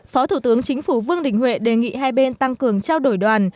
phó thủ tướng chính phủ vương đình huệ đề nghị hai bên tăng cường trao đổi đoàn